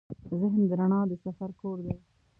ذهن د رڼا د سفر کور دی.